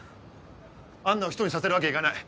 アンナを１人にさせるわけにはいかない。